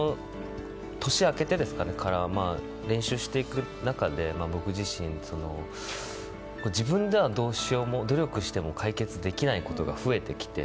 年が明けてから練習していく中で僕自身、自分では努力しても解決できないことが増えてきて。